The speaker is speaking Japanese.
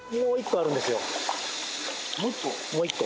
もう１個？